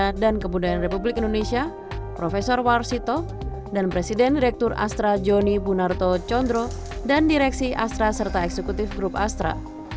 kepala badan kebudayaan republik indonesia prof warsito dan presiden direktur astra joni bunarto condro dan direksi astra serta eksekutif grup astra